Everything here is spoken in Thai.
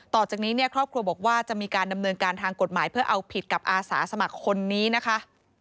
ต่อจากนี้เนี่ยครอบครัวบอกว่าจะมีการดำเนินการทางกฎหมายเพื่อเอาผิดกับอาสาสมัครคนนี้นะคะ